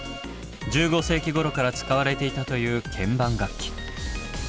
１５世紀頃から使われていたという鍵盤楽器。